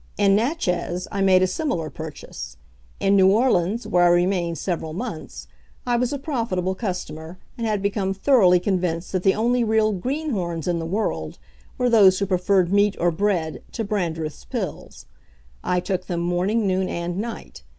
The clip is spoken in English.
In Natchez, I made a similar purchase. In New Orleans, where I remained several months, I was a profitable customer, and had become thoroughly convinced that the only real "greenhorns" in the world were those who preferred meat or bread to Brandreth's Pills. I took them morning, noon, and night.